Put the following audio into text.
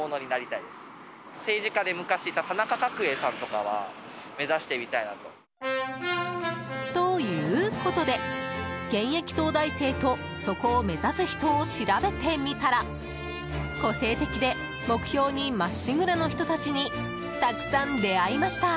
胸には秘めた野心も。ということで、現役東大生とそこを目指す人を調べてみたら個性的で目標にまっしぐらの人たちにたくさん出会いました。